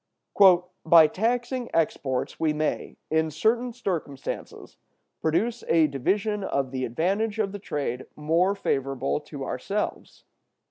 "By taxing exports we may, in certain circumstances, produce a division of the advantage of the trade more favorable to ourselves.